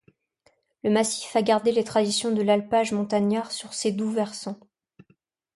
Le massif a gardé les traditions de l'alpage montagnard sur ses doux versants.